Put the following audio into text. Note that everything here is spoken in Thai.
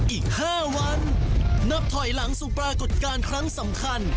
อีก๕วันนับถอยหลังสู่ปรากฏการณ์ครั้งสำคัญ